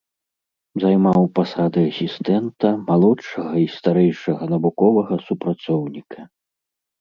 Займаў пасады асістэнта, малодшага і старэйшага навуковага супрацоўніка.